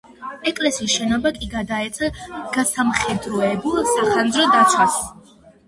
ეკლესიის შენობა კი გადაეცა გასამხედროებულ სახანძრო დაცვას.